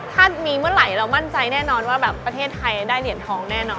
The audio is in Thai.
ถ้ามีเมื่อไหร่เรามั่นใจแน่นอนว่าแบบประเทศไทยได้เหรียญทองแน่นอน